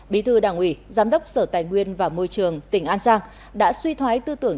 bí thư đảng ủy giám đốc sở tài nguyên và môi trường tỉnh an giang đã suy thoái tư tưởng